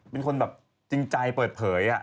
เป็นคนจริงใจเปิดเผยอะ